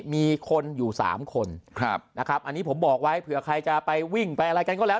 มีคนอยู่๓คนนะครับอันนี้ผมบอกไว้เผื่อใครจะไปวิ่งไปอะไรกันก็แล้ว